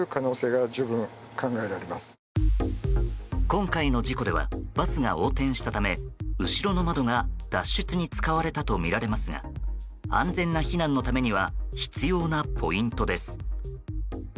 今回の事故ではバスが横転したため後ろの窓が脱出に使われたとみられますが安全な避難のためには必要なポイントです。